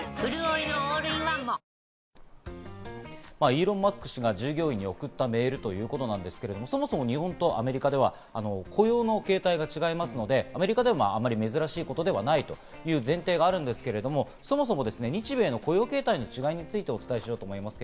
イーロン・マスク氏が従業員に送ったメールということなんですけれども、そもそも日本とアメリカでは雇用の形態が違いますのでアメリカではあまり珍しいことではないという前提があるんですけれども、そもそも日米の雇用形態の違いについて、お伝えしようと思います。